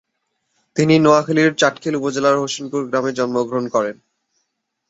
তিনি নোয়াখালীর চাটখিল উপজেলার হোসেনপুর গ্রামে জন্মগ্রহণ করেন।